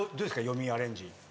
よみぃアレンジ。